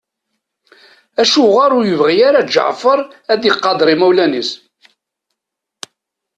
Acuɣer ur yibɣi ara Ǧeɛfer ad iqadeṛ imawlan-is?